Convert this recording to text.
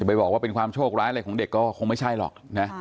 ไปบอกว่าเป็นความโชคร้ายอะไรของเด็กก็คงไม่ใช่หรอกนะ